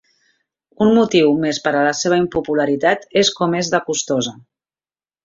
Un motiu més per a la seva impopularitat és com és de costosa.